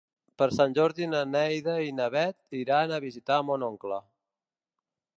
Per Sant Jordi na Neida i na Bet iran a visitar mon oncle.